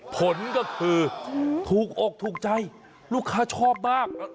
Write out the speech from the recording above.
ผลก็คือถูกอกถูกใจลูกค้าชอบมาก